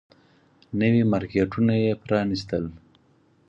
نوي مارکيټونه يې پرانيستل.